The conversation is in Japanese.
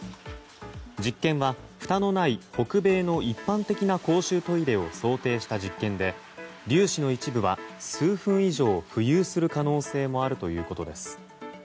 実験はふたのない北米の一般的な公衆トイレを想定した実験で粒子の一部は数分以上浮遊する可能性もあるということです。